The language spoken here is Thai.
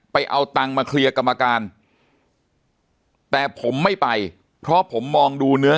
เอาตังค์มาเคลียร์กรรมการแต่ผมไม่ไปเพราะผมมองดูเนื้อ